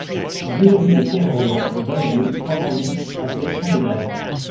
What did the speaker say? deux rue de Ker Rolland, vingt-deux, trois cent dix à Plestin-les-Grèves